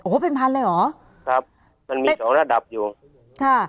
โอ้โหเป็นพันเลยเหรอครับมันมีสองระดับอยู่ค่ะ